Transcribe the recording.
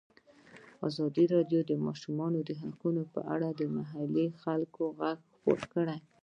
ازادي راډیو د د ماشومانو حقونه په اړه د محلي خلکو غږ خپور کړی.